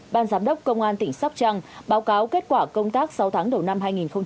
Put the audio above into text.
ban giám đốc công an tỉnh sóc trăng báo cáo kết quả công tác sáu tháng đầu năm hai nghìn hai mươi